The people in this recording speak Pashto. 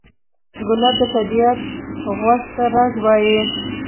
ګلاب د طبیعت غوږ ته راز وایي.